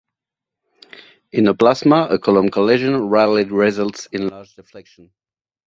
In a plasma a Coulomb collision rarely results in a large deflection.